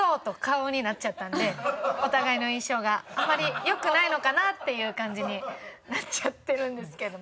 あんまり良くないのかなっていう感じになっちゃってるんですけれども。